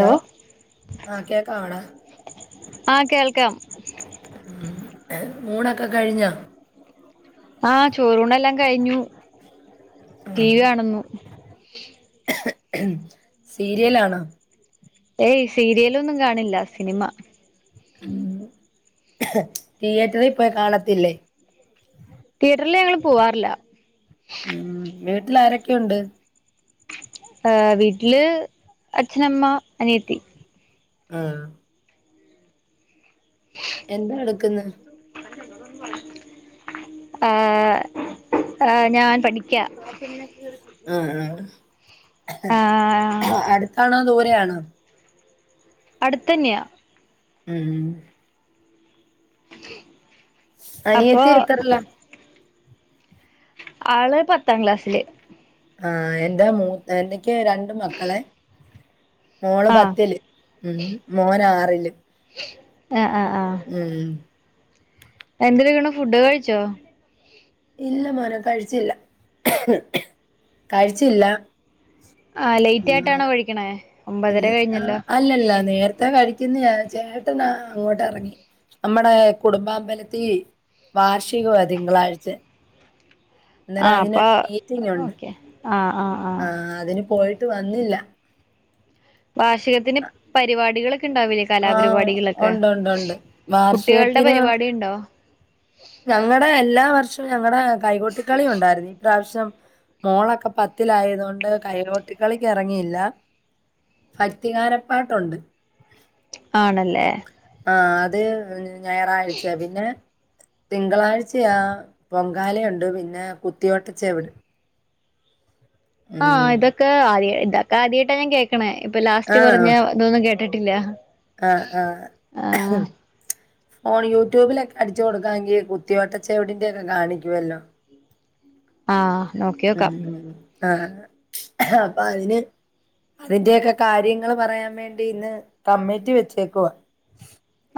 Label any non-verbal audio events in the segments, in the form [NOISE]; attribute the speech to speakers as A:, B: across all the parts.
A: Hello ആഹ് കേക്കാമെടാ
B: ആഹ് കേൾക്കാം
A: ഉം ഏഹ് ഊണൊക്കെ കഴിഞ്ഞോ?
B: ആഹ് ചോറൂണെല്ലാം കഴിഞ്ഞു ടി വി കാണുന്നു.
A: ഉം സീരിയല് ആണോ
B: ഏയ് സീരിയലൊന്നും കാണില്ല സിനിമ
A: തിയേറ്ററി പോയി കാണത്തില്ലേ
B: തിയേറ്റർല് ഞങ്ങള് പോവാറില്ല.
A: ഉം വീട്ടില് ആരെക്കെ ഉണ്ട്.
B: ആ വീട്ടില് അച്ഛനമ്മ, അനിയത്തി
A: ആ എന്തെടു ക്ക്ന്ന്
B: ആ ആ ഞാൻ പഠിക്ക്യ ആ പിന്നെ [UNINTELLIGIBLE]
A: ആ
B: ആഹ്
A: ആ അട്ത്താണോ ദൂരയാണോ
B: അട്ത്തന്നെയാ
A: ഉം
B: അ [INAUDIBLE]
A: അനിയത്തി എത്രർലാ.
B: ആള് പത്താം ക്ലാസ്സ്ല്
A: ആ എന്റെ മൂ എനിക്ക് രണ്ട് മക്കള് മോള്
B: ആഹ്
A: പത്തില് ഉം. മോന് ആറില്
B: ആ ആ ആ
A: ഉം
B: എന്ത് ചെയ്യ്ണ്. ഫുഡ് കഴിച്ചോ
A: ഇല്ല മോനെ കഴിച്ചില്ല, കഴിച്ചില്ല
B: ആ ലേറ്റ് ആയിട്ടാണോ കഴിക്ക്ണേ
A: അൽ ആ അല്ലല്ല നേര്ത്തെ കഴിക്ക്ന്നേ ചേട്ടൻ ആ അങ്ങോട്ട് എറങ്ങി നമ്മടെ കുടുംബാമ്പലത്തി വാർഷികുവാ തിങ്കളാഴ്ചെ അന്നേരം അതിനൊര് മീറ്റിങ്ങുണ്ട്
B: അ ആ ആ
A: ആ അതിന് പോയിട്ട് വന്നില്ല
B: വാർഷികത്തിന് പരിപാടികളെക്കെ ഇണ്ടാവ് ലെ
A: ആ ഉണ്ട് ഉണ്ട് ഉണ്ട്
B: കുട്ടികളുടെ
A: വാർഷികത്തിന്
B: പരിപാടി ഉണ്ടോ
A: ഞങ്ങടെ എല്ലാ വർഷും ഞങ്ങടെ കൈകൊട്ടി കളിയുണ്ടായിരുന്ന് ഇപ്രാശ്യം മോളക്ക പത്തിലായത് കൊണ്ട് കൈകൊട്ടി കളിക്ക് എറങ്ങിയില്ല ഭക്തി ഗാനപ്പാട്ടുണ്ട്
B: ആണല്ലേ
A: ആ അത് ഞായറാഴ്ച പിന്നെ തിങ്കളാഴ്ചയാ പൊങ്കാലയുണ്ട് പിന്നെ കുത്തിയോട്ടച്ചവിട്
B: ആ
A: ഉം
B: ഇതൊക്കെ ആദ്യയ് ഇതക്കെ ആദ്യായിട്ടാ ഞാൻ കേക്ക്ണേ ഇപ്പൊ ലാസ്റ്റ് പറഞ്ഞെ ഇതൊന്നും കേട്ടിട്ടില്ല
A: അ ആ
B: ആഹ്
A: ഫോണ് യൂട്യൂബിലക്കെ അടിച്ച് കൊടുക്കാണെങ്കി കുത്തിവട്ട ചവിട്ട് ന്റെ ഒക്കെ കാണിക്കുവല്ലോ
B: ആ നോക്കി
A: ഉം ഉം ആ അപ്പ അതിന് അതിന്റെയേക്കെ കാര്യങ്ങള് പറയാൻ വേണ്ടി ഇന്ന് കമ്മറ്റി വെച്ചേക്കുവാ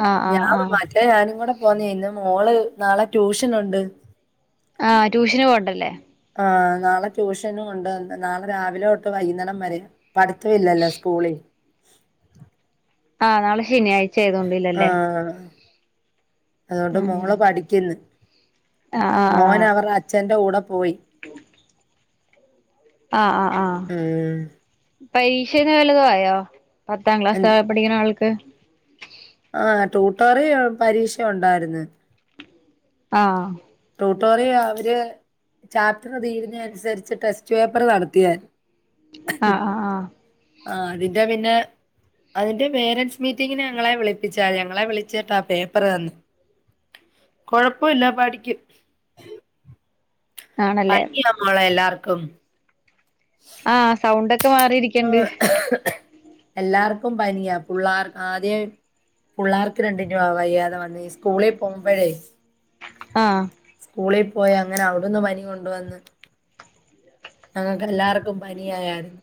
B: ആഹ് ആഹ്
A: ഞാൻ
B: ആഹ്
A: മറ്റേ ഞാനും കൂടെ പോന്നേനു മോള് നാളെ ട്യൂഷനുണ്ട്
B: ആ ട്യൂഷന് പോവ്ണ്ടല്ലേ
A: ആ നാളെ ട്യൂഷനുണ്ട് നാളെ രാവിലെ തൊട്ട് വൈകുന്നേരം വരെ പഠത്തവില്ലല്ലോ സ്കൂളിൽ
B: ആഹ് നാളെ ശനിയാഴ്ച ആയതോണ്ട്ല്ലൊ ല്ലെ.
A: ആഹ് അതോണ്ട്
B: ഉം
A: മോള് പഠിക്ക്ന്ന്.
B: ആഹ് ആഹ് ആഹ്
A: മോന് അവർടെ അച്ഛൻ്റെ കൂടെ പോയി.
B: ആഹ് ആഹ് ആഹ്
A: ഉം.
B: പരീക്ഷൻ്റെ വല്ലതു ആയൊ. പത്താം ക്ലാസാര് - പഠിക്ക്ണാൾക്ക്
A: ആഹ് ടൂട്ടാറി ആഹ് പരീക്ഷ ഒണ്ടായിര്ന്ന്.
B: ആഹ്
A: ടൂ ട്ടാറിയ അവര് ചാപ്റ്റർ ങ്ങനെ തീരുന്നെ അൻസരിച്ച് ടെസ്റ്റ് പേപ്പറ് നടത്തിയാര്ന്ന്.
B: അഹ് ആഹ് ആഹ്
A: ആഹ് അതിന്റെ പിന്നെ അതിന്റെ പേരൻസ് മീറ്റിംങ്ങ്ന് ഞങ്ങളെ വിളിപ്പിച്ചായിര്ന്ന്. ഞങ്ങളെ വിളിച്ചിട്ടാ പേപ്പറ് തന്ന്. കൊഴപ്പൊല്ലാ പഠിക്കും.
B: ആണല്ലേ
A: പനിയാമോളെ എല്ലാർക്കും.
B: ആഹ് സൗണ്ടൊക്കെ മാറിയിരിക്
A: ആഹ് എല്ലാർക്കും പനിയാ. പുള്ളാർ ആദ്യേ പുള്ളാർക്ക് രണ്ടിന്നു ആഹ് വയ്യാതെ വന്നെ സ്ക്കൂളി പോമ്പഴേ
B: ആഹ്
A: സ്ക്കൂളി പോയ അങ്ങനെ അവ്ടുന്ന് പനി കൊണ്ടുവന്ന്. ഞങ്ങക്ക് എല്ലാർക്കും പനിയായാ ര്ന്ന്.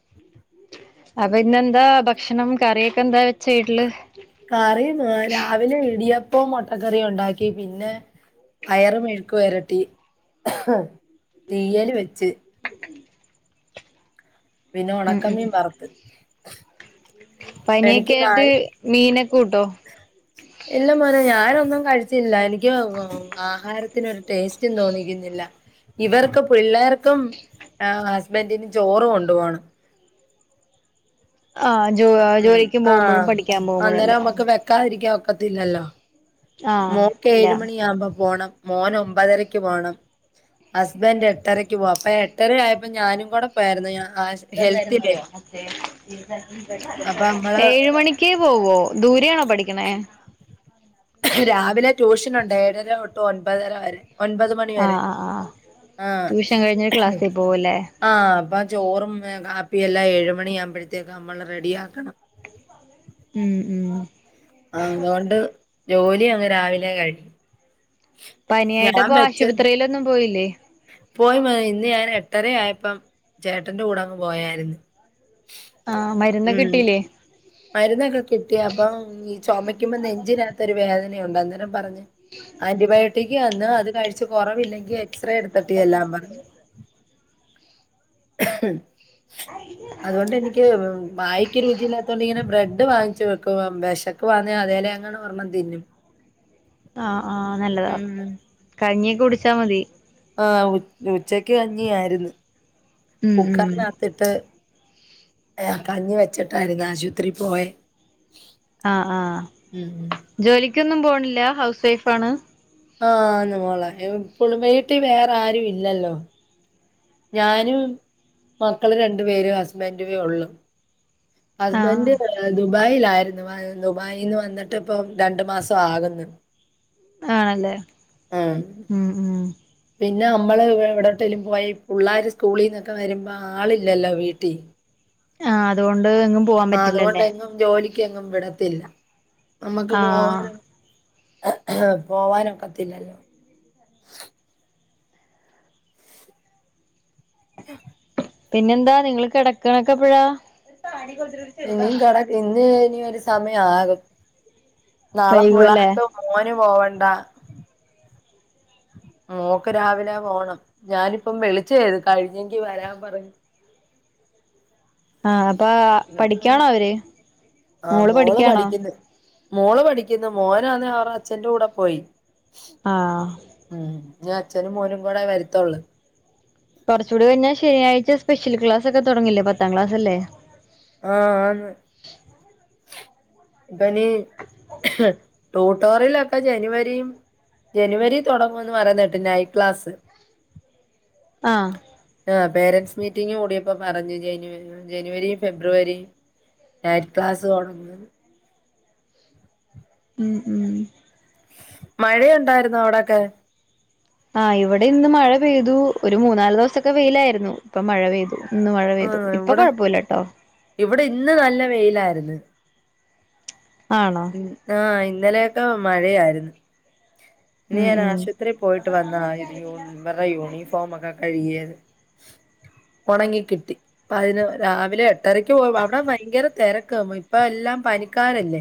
B: അപ്പം ഇന്നെന്താ ഭക്ഷണം, കറിയൊക്കെന്താ വെ
A: കറി ഞാ രാവിലെ ഇടിയപ്പൊം മൊട്ടകറിം ഒണ്ടാക്കി. പിന്നെ പയറ് മെഴുക്ക് വരട്ടി, തീയ്യല് വെച്ച്. പിന്നെ ഒണക്ക മീൻ വറ്ത്ത്.
B: പനിയൊക്കെയിട്ട് മീനക്കെ കൂട്ടൊ?
A: ഇല്ല മോനെ ഞാനൊന്നും കഴിച്ചില്ല. എനിക്ക് ആഹാരത്തിനൊരു ടേസ്റ്റും തോന്നിക്ക്ന്നില്ല. ഇവർക്ക് പിള്ളേർക്കും ഏഹ് ഹസ്ബെൻ്റിനും ചോറ് കൊണ്ടുപോണം.
B: ആഹ് ജോ
A: ഉം.
B: ജോലിക്കും പോകുമ്പോഴും
A: ആഹ്
B: പഠിക്കാൻ പോകുമ്പോഴും
A: അന്നേരം
B: അല്ലേ
A: അമ്മക്ക് വെക്കാതിരിക്കാൻ ഒക്കത്തില്ലല്ലൊ.
B: ആഹ്
A: മോക്ക്
B: ഇല്ല
A: ഏഴുമണിയാവ്മ്പം പോണം. മോന് ഒമ്പതരക്ക് പോണം. ഹസ് ബെൻ്റ് എട്ടരയ്ക്ക് പോകും. അപ്പ എട്ടര ആയപ്പം ഞാനും കൂടെ പോയാര്ന്ന്. ഞാ ആശ്
B: അതെന്തായിരുന്ന് അറിയൊ
A: അപ്പൊ
B: [UNINTELLIGIBLE]
A: നമ്മള്
B: ഏഴ് മണി ക്കേ പോവോ. ദൂരെയാണൊ പഠിക്ക്ണെ?
A: രാവിലെ ട്യൂഷനൊണ്ട്. ഏഴര ഒട്ട് ഒൻപതര വരെ. ഒൻപത് മണി വരെ.
B: ആഹ് ആഹ് ആഹ്
A: ആഹ്
B: ട്യൂഷൻ കഴിഞ്ഞിട്ട് ക്ലാസ്സിൽ പോവുല്ലേ
A: ആഹ് അപ്പം ചോറും ഏഹ് കാപ്പിയെല്ലാം ഏഴുമണി ആ വ്മ്പഴത്തേക്ക് അമ്മള് റെഡിയാ ക്കണം.
B: ഉം ഉം
A: ആഹ് അങ്ങോണ്ട് ജോലിയങ്ങ് രാവിലെ കഴിയും. ഞാൻ
B: പനിയായിട്ടപ്പൊ
A: വെച്ച
B: ആശുപത്രിയിലൊന്നും പോയില്ലെ?
A: പോയി മോനെ ഇന്ന് ഞാന് എട്ടരയായപ്പം ചേട്ടന്റെ കൂടെ അങ്ങ് പോയാര്ന്ന്.
B: ആഹ് മര്ന്ന് കിട്ടീല്ലെ?
A: മര്ന്നൊക്കെ കിട്ടി. അപ്പം ഈ ചൊമക്കുമ്പം നെഞ്ചിനാത്തൊര് വേദനയുണ്ട് അന്നേരം പറഞ്ഞ് ആന്റിബയോട്ടിക്ക് തന്ന് അത് കഴിച്ചു കൊറവില്ലെങ്കി എക്സ്റേ എട്ത്തിട്ട് ചെല്ലാം പറഞ്ഞ്. ഉം അതോണ്ട് എനിക്ക് വായിക്ക് രുചിയില്ലാത്തോണ്ട് ഇങ്ങനെ ബ്രെഡ്‌ ഡ് വാങ്ങിച്ചു വെക്കുവാ വെഷക്കുവാന്നെ അതേലെ അങ്ങനെ ഒരെണ്ണം തിന്നും.
B: ആഹ് ആഹ് നല്ലതാ
A: ഉം
B: കഞ്ഞി ഒക്കെ കുടിച്ചാ മതി
A: ആഹ് ഉച്ചക്ക് കഞ്ഞിയായിരുന്നു
B: ഉം ഉം
A: കുക്കറിന കത്തിട്ട് കഞ്ഞി വെച്ചിട്ടായിരുന്നു ആശുപത്രി പോയെ
B: ആ ഹ് ആഹ്
A: ഉം
B: ജോലിക്കൊന്നും പോണില്ല ഹൗസ് വൈഫ് ആണ്
A: ആ ന്ന് മോളെ എപ്പളു വീട്ടി വേറെ ആരും ഇല്ലല്ലോ ഞാനും മക്കള് രണ്ടു പേര് ഹസ്ബൻഡ് വേ ഒള്ളൂ.
B: ആഹ്
A: ഹസ്ബന്റ് ദുബായിൽ ആയിരുന്നു ദുബായീന്ന് വന്നിട്ട് ഇപ്പം രണ്ടു മാസം ആകുന്നു
B: ആണല്ലേ
A: ആഹ്
B: ഉം ഉം
A: പിന്നെ നമ്മള് ഇവിടെ ട്ടേലും പോയ ഈ പുള്ളാര് സ്കൂളി ന്നൊക്കെ വരുമ്പോ ആളില്ലല്ലോ വീട്ടി
B: ആ അതുകൊണ്ട് എങ്ങും പോവാൻ
A: ആ അതുകൊണ്ട്
B: പറ്റില്ലല്ലേ
A: എങ്ങും ജോലിക്ക് എങ്ങും വിടത്തില്ല നമ്മക്ക്
B: ആഹ്
A: പോവാന പോവാനൊക്കത്തില്ലല്ലോ ആഹ്
B: പിന്നെന്താ നിങ്ങള് കിടക്ക്ണ ഒക്കെ എപ്പഴാ
A: ഇനിയും കെട ഇന്ന് ഇനി ഒരു സമയം ആകും നാളെ
B: വൈകുവല്ലേ
A: പുള്ളാർക്ക് മോന് പോവണ്ട
B: [INAUDIBLE]
A: മോക്ക് രാവിലെ പോണം ഞാനിപ്പം വിളിച്ചേ കഴിഞ്ഞെങ്കിൽവരാൻ പറഞ്ഞ്
B: ആഹ് അപ്പൊ
A: ആഹ് മോള് പഠിക്ക്ന്ന് മോള് പഠിക്കുന്നു മോനാന്ന് അവരുടെ അച്ഛന്റെ കൂടെ പോയി
B: ആഹ്
A: ഉം ഇഞ്ഞ് അച്നും മോനും കൂടെ വരത്തുള്ളൂ
B: കുറച്ചൂടെ കഴിഞ്ഞാ ശനിയാഴ്ച്ച സ്പെഷ്യൽ ക്ലാസ് ഒക്കെ തുടങ്ങില്ലേ പത്താം ക്ലാസ്സ് അല്ലെ
A: ആഹ് ആന്ന് ഇപ്പ ഇനി ട്യൂട്ടോറിയലൊക്കെ ജനുവരിം ജനുവരി തുടങ്ങുന്ന് പറയുന്നകേട്ടു നൈറ്റ് ക്ലാസ്
B: ആഹ്
A: ആ പേരൻ സ് മീറ്റിംഗ് കൂടിയപ്പ പറഞ്ഞു ജനുവ ജനുവരി ഫെബ്രുവരി നൈറ്റ്‌ ക്ലാസ് തുടങ്ങുന്ന്
B: ഉം ഉം
A: മഴേ ണ്ടായിരുന്നോ അവിടെ ക്കെ
B: ആഹ് ഇവിടെ ഇന്ന് മഴ പെയ്തു ഒരു മൂന്നാല് ദിവസൊക്കെ വെയിലായിരുന്നു ഇപ്പം മഴ പെയ്തു ഇന്ന് മഴ പെയ്തു ഇപ്പൊ കൊഴപ്പയില്ല ട്ടോ
A: ഇവിട ഇന്ന് നല്ല വെയിലായിര്ന്ന്
B: ആണോ
A: ഉം ആഹ് ഇന്നലെയൊക്കെ മഴയായിരുന്നു ഇന്ന്
B: ഉം
A: ഞാൻ
B: ഉം
A: ആശുപത്രീ പോയിട്ട് വന്നതാ ഇത് യൂണ് ഇവര്ടെ യൂണിഫോ ഫോമൊക്കെ കഴുകിയത് ഒണങ്ങി കിട്ടി പ്പൊ അയിന് രാവിലെ എ ട്ടരയ്ക്ക് പോയപ്പോ അവിടെ ഭയങ്കര തെരക്കാ ഇപ്പ എല്ലാം പനിക്കാരല്ലേ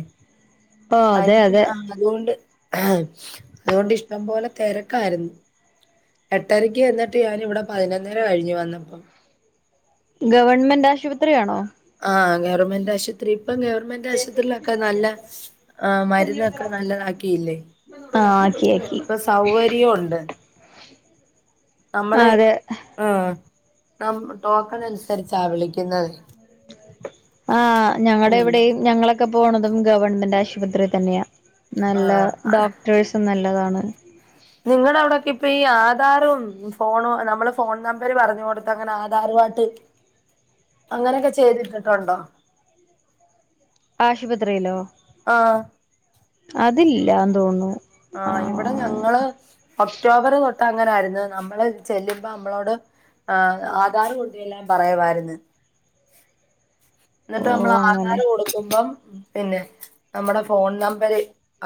B: ഓ അതെ
A: പനി
B: അതെ
A: ആഹ് അതുകൊണ്ട് അതുകൊണ്ട് ഇഷ്ടം പോലെ തെരക്കാരുന്നു എട്ടരക്ക് ചെന്നിട്ട് ഞാനിവിടെ പതിനൊന്നര കഴിഞ്ഞു വന്നപ്പം
B: ഗവൺമെന്റ് ആശുപത്രിയാണോ
A: ആഹ് ഗവർമെന്റ് ആശുപത്രി ഇപ്പം ഗവൺമെ ന്റാശുപത്രീലൊക്ക നല്ല ആഹ് മരുന്നൊക്ക നല്ലതാക്കിയില്ലേ
B: ആ ആക്കി ആക്കി
A: ഇപ്പ സൗവര്യോണ്ട് നമ്മള്
B: അതെ
A: ആഹ് നം ടോക്കൺ അനുസരിച്ചാ വിളിക്കുന്നത്
B: ആഹ് ഞങ്ങടെ
A: ഉം
B: ഇവിടെയും ഞങ്ങളൊ ക്കെ പോണതും ഗവൺമെന്റ് ആശുപത്രീ തന്നെയാ നല്ല
A: ആഹ്
B: ഡോക്ടേഴ്സും നല്ലതാണ്
A: നിങ്ങടവിടൊക്കെ ഇപ്പ ഈ ആധാറും ഫോണും നമ്മള് ഫോൺ നമ്പര് പറഞ്ഞു കൊടുത്ത് അങ്ങനെ ആധാറുവായിട്ട് അങ്ങനെയൊക്കെ ചെയ്തിട്ടിട്ടുണ്ടോ
B: ആശുപത്രിയിലോ
A: ആഹ്
B: അതില്ലാന്ന് തോന്നുന്നു ആ
A: ആഹ് ഇവിടെ ഞങ്ങള് ഒക്ടോബറ് തൊട്ട് അങ്ങനായിരുന്ന് നമ്മള് ചെല്ലുമ്പോ അമ്മളോട് ആഹ് ആധാറ് കൊണ്ട് ചെല്ലാൻ പറയുവായിരുന്ന്
B: ഓ
A: എന്നിട്ട് നമ്മള്
B: അങ്ങനെ
A: ആധാറ് കൊടുക്കുമ്പം പിന്നെ നമ്മുടെ ഫോൺ നമ്പര്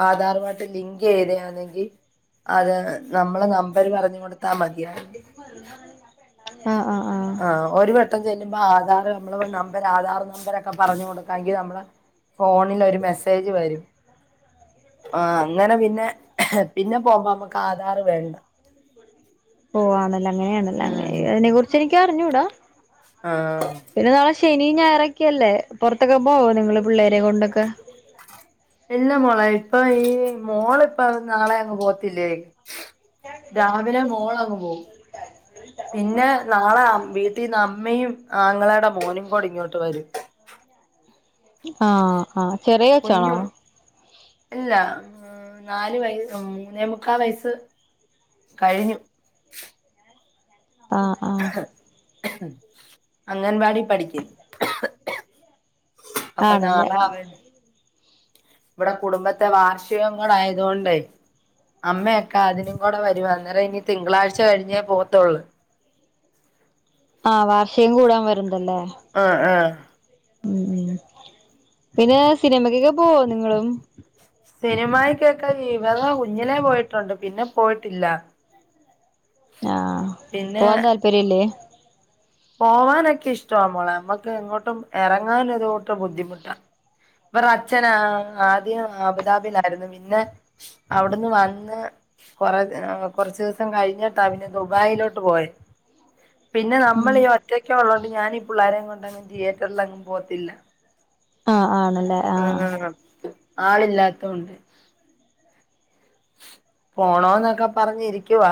A: ആധാറുവായിട്ട് ലിങ്ക് ചെയ്തയാന്നെങ്കി അത് നമ്മള നമ്പര് പറഞ്ഞു കൊടുത്താ മതിയാ
B: ആഹ് ആഹ് ആഹ്
A: ആഹ് ഒരു വട്ടം ചെല്ലുമ്പോ ആധാറ് നമ്മള നമ്പര് ആധാർ നമ്പരക്ക പറഞ്ഞു കൊടുക്കാങ്കി നമ്മള ഫോണിലൊരു മെസ്സേജ് വരും ആഹ് അങ്ങനെ പിന്നെ പിന്നെ പോകുമ്പോ നമ്മക്ക് ആധാറ് വേണ്ട
B: ഓഹ് ആണല്ലേ അങ്ങനെയാണല്ലേ അങ്ങനെ
A: ഉം
B: അതിനെ കുറിച്ച് എനിക്ക് അറിഞ്ഞൂടാ
A: ആഹ്
B: പിന്നെ നാളെ ശനിയും ഞായറൊക്കെയല്ലേ പുറത്തൊക്കെ പോവോ നിങ്ങള് പിള്ളേരേം കൊണ്ടൊക്കെ
A: ഇല്ല മോളെ ഇപ്പൊ ഈ മോള് ഇപ്പ നാളെ അങ്ങ് പോവത്തില്ലേ രാവിലെ മോളങ്ങു പോവും പിന്നെ നാള അ വീട്ടീന്ന് അമ്മയും ആങ്ങളേടെ മോനും കൂടി ഇങ്ങോട്ട് വരും
B: ആഹ് ആഹ് ചെറിയ കൊച്ചാണോ
A: കുഞ്ഞു ഇല്ല നാലു വയ മൂന്നേ മുക്കാ വയസ്സ് കഴിഞ്ഞു
B: ആഹ് ആഹ്
A: അംഗൻവാടീ പഠിക്ക്ന്ന് അപ്പൊ
B: ആണല്ലേ
A: നാളെ അവി ഇവിടെ കുടുംബത്തെ വാർഷികോം കൂടെ ആയത് കൊണ്ടേ അമ്മെയക്ക അതിനും കൂടെ വരുവാ അന്നേരം ഇനി തിങ്കളാഴ്ച കഴിഞ്ഞേ പോവത്തുള്ളൂ
B: ആഹ് വാർഷികം കൂടാൻ വരുണ്ടല്ലേ
A: ആഹ് ആഹ്
B: ഉം ഉം പിന്നെ സിനിമക്കൊക്കെ പോവോ നിങ്ങളും
A: സിനിമായി കൊക്കെ ഇവത കുഞ്ഞിലെ പോയിട്ടുണ്ട് പിന്നെ പോയിട്ടില്ല.
B: ആഹ്
A: പിന്നെ
B: പോവാൻ താല്പര്യല്ലേ.
A: പോവാനൊക്കെ ഇഷ്ടവാ മോളെ ഉമ്മക് എങ്ങോട്ടും ഇറങ്ങാൻ ഒരുകൂട്ടം ബുദ്ധിമുട്ടാ. ബറെ അച്ഛന ആദ്യം അബുതാബിലായിരുന്നു പിന്നെ അവിടുന്ന് വന്ന്. കൊറ കുറച്ച ദിവസം കഴിഞ്ഞിട്ടാ പിന്നെ ദുബായിലോട്ട് പോയെ. പിന്നെ
B: ഉം
A: നമ്മള ഈ ഒറ്റയ്ക്കെ ഉള്ളതോണ്ട് ഞാനീ പിള്ളാരെയും കൊണ്ട്ങ്ങും തിയേറ്ററിൽങ്ങും പോവതില്ല.
B: ആഹ് ആണല്ലേ. ആഹ്
A: ആന്ന് ആന്ന് ആളില്ലാത്തോണ്ട്. പോണോന്നൊക്കെ പറഞ്ഞിരിക്കുവ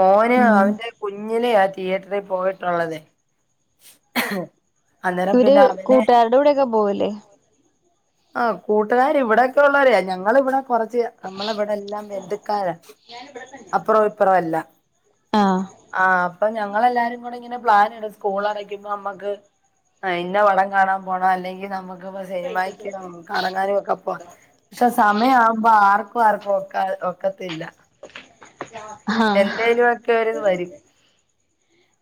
A: മോന്
B: ഉം
A: അവന്റെ. കുഞ്ഞിലെ ആഹ് തിയേറ്ററിൽ പോയിട്ടുള്ളത്. [INAUDIBLE]
B: ഇവര്
A: പിന്നെ അവനെ
B: കൂട്ടുകാരുടെ കൂടെയൊക്കെ പോവല്ലേ.
A: ആഹ് കൂട്ടുകാരി ഇവിടെക്കെ ഉള്ളരെയ ഞങ്ങൾ ഇവിടെ. കുറച്ച് നമ്മളെ ഇവിടെല്ലാം ബന്ധുക്കാരാ അപ്പുറം ഇപ്പറം എല്ലാം.
B: ആഹ്
A: ആഹ് അപ്പൊ ഞങ്ങളെല്ലാരും കൂടെ ഇങ്ങനെ പ്ലാൻ ഇടും. സ്കൂൾ അടയ്ക്കുമ്പോ നമ്മുക്ക് അയിന്റെ വളം കാണാൻ പോണം അല്ലെങ്കിൽ നമുക്ക്. സിനിമാക്കെ കറങ്ങാനും ഒക്കെപ്പ പക്ഷെ സമയം ആവുമ്പോ ആർക്കും ആർക്കും ഒക്ക ഒക്കത്തില്ല.
B: ആഹ്
A: എന്തേലും ഒക്കെ ഒരു ഇത് വരും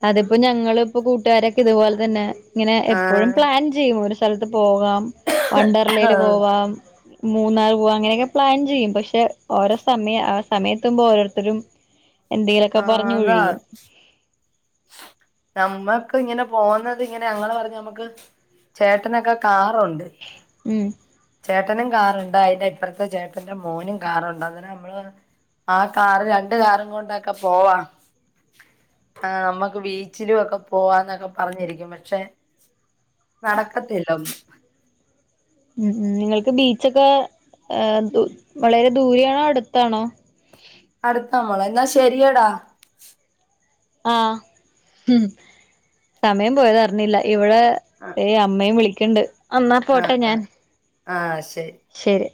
B: അതിപ്പോ ഞങ്ങ ഇപ്പോ കൂട്ടുകാരൊക്കെ ഇതുപോലെ തന്നെ ഇങ്ങനെ എപ്പോഴും
A: ആഹ്
B: പ്ലാൻ ചെയ്യും ഒരു സ്ഥലത്ത് പോകാം വണ്ടർലയില് പോവാ. മൂന്നാർ പോവാ അങ്ങനെയൊക്കെ പ്ലാൻ ചെയ്യും പക്ഷെ ഓരോ സമയം സമയം എത്തുമ്പോൾ ഓരോരുത്തരും എന്തെങ്കിലുമൊക്കെ
A: ആഹ്
B: പറഞ്ഞു
A: അതാ
B: ഒഴിയും.
A: നമ്മക്ക് ഇങ്ങനെ പോകുന്നത് ഇങ്ങനെ ഞങ്ങൾ പറഞ്ഞഞ് നമ്മക്ക് ചേട്ടനൊക്കെ കാറുണ്ട്.
B: ഉം
A: ചേട്ടനും കാറുണ്ട് അതിന്റെ ഇപ്പുറത്തെ ചേട്ടന്റെ മോനും കാറുണ്ട് അങ്ങനെ നമ്മള് ആഹ് കാറ് രണ്ട് കാറും കൊണ്ടൊക്കെ പോവാ. ആഹ് നമ്മുക്ക് ബീച്ചിലും ഒക്കെ പോവാന്നൊക്കെ പറഞ്ഞിരിക്കും പക്ഷെ നടക്കത്തില്ല ഒന്നും.
B: ഉം ഉം നിങ്ങൾക്ക് ബീച്ചൊക്കെ വളരെ ദൂരയാണോ അടുത്താണോ.?
A: അടുത്താ മോളെ എന്നാ ശരിയടാ.
B: ആഹ് ഉം സമയം പോയത് അറിഞ്ഞില്ല. ഇവളെ
A: ആ
B: അമ്മയും വിളിക്ക്ണ്ട് എന്നാ പോട്ടെ ഞാൻ
A: ആഹ് ശരി.
B: ശരി.